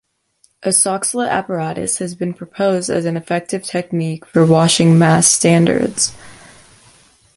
A Soxhlet apparatus has been proposed as an effective technique for washing mass standards.